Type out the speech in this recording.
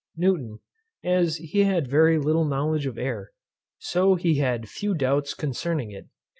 Newton, as he had very little knowledge of air, so he had few doubts concerning it.